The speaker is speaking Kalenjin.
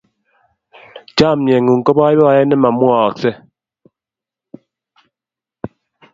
Chamnyengung ko boiboiyet ne mamwaaksei